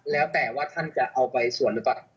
แล้วแต่ว่าท่านจะเอาไปสวดหรือเปล่า